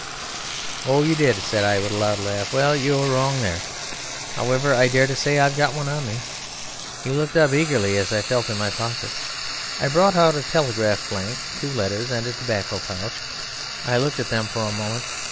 "Oh, you did," said I, with a loud laugh, "well, you're wrong there. However, I dare say I've got one on me." He looked up eagerly as I felt in my pockets. I brought out a telegraph blank, two letters, and a tobacco pouch. I looked at them for a moment.